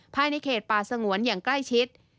ภายในเขตป่าสงวนอย่างใกล้ชิด